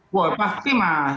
wah pasti mah